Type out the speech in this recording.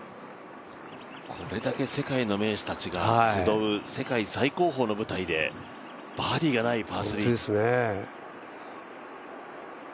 これだけ世界の名手たちが集う世界最高峰の舞台でバーディーがないパー３。